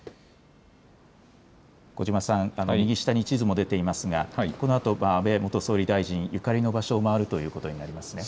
小嶋さん、右下に地図も出ていますがこのあと安倍元総理大臣ゆかりの場所を回るということになりますね。